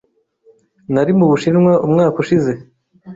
Nari mu Bushinwa umwaka ushize.